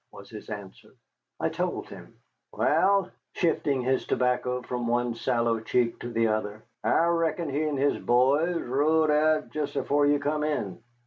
was his answer. I told him. "Wal," said he, shifting his tobacco from one sallow cheek to the other, "I reckon he and his boys rud out just afore you come in.